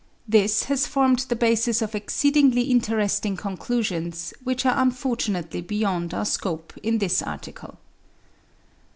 This has formed the basis of exceed ingly interesting conclusions which are unfortunately beyond our scope in this article.